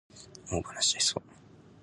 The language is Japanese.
オーバーランしちゃいそう